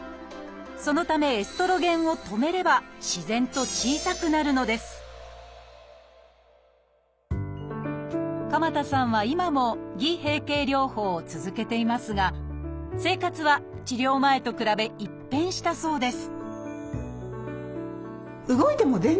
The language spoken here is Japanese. そのためエストロゲンを止めれば自然と小さくなるのです鎌田さんは今も偽閉経療法を続けていますが生活は治療前と比べ一変したそうです